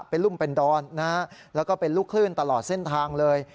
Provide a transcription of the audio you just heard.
เป็นรุ่มเป็นดอนนะฮะแล้วก็เป็นลูกคลื่นตลอดเส้นทางเลย